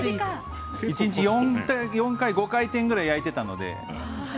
１日４回、５回転焼いてたので。